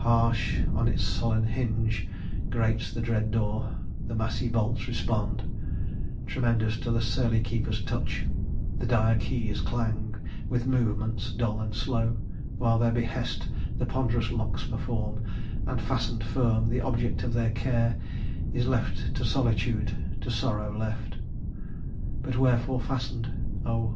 harsh on its sullen hinge Grates the dread door: the massy bolts respond Tremendous to the surly keeper's touch: The dire keys clang, with movement dull and slow, While their behest the ponderous locks perform: And, fasten'd firm, the object of their care Is left to solitude to sorrow left. "But wherefore fasten'd? Oh!